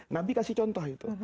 nabi kasih contoh itu